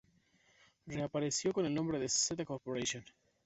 Reapareció en el nombre de "Z Corporation.